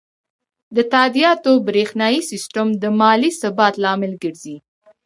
د تادیاتو بریښنایی سیستم د مالي ثبات لامل ګرځي.